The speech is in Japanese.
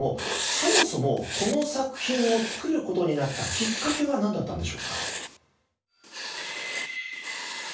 そもそもこの作品を作る事になったきっかけはなんだったんでしょうか？